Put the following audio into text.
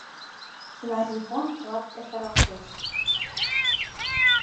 Ларивон клат ястаралтеш.